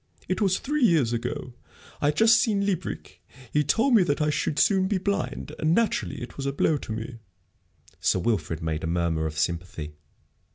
It was three years ago. I had just seen Liebreich. He told me that I should soon be blind, and, naturally, it was a blow to me." Sir Wilfrid made a murmur of sympathy.